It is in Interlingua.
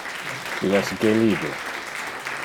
Il es gelide.